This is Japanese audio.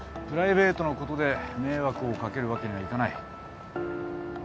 プライベートのことで迷惑を掛けるわけにはいかない。